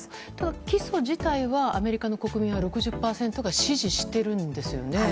起訴自体は、アメリカの国民は６０％が支持しているんですよね。